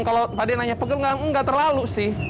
kalau pak d nanya pegel nggak terlalu sih